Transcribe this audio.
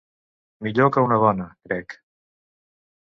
Millor que una dona, crec.